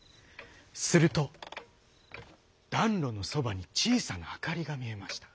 するとだんろのそばにちいさなあかりがみえました。